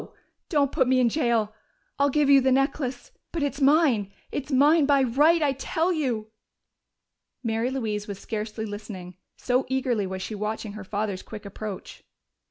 Don't put me in jail! I'll give you the necklace. But it's mine it's mine by right, I tell you!" Mary Louise was scarcely listening, so eagerly was she watching her father's quick approach.